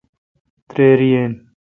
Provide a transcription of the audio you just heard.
تریر یین۔